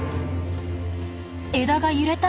枝が揺れた。